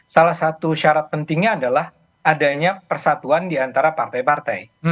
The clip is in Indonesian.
salah satu syarat pentingnya adalah adanya persatuan di antara partai partai